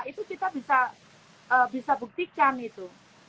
itu kita bisa buktikan itu